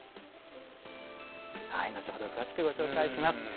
後ほど詳しくご紹介します。